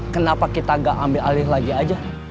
kenapa kita gak ambil alih lagi aja